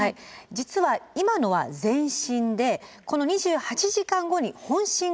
実は今のは前震でこの２８時間後に本震が来たんです。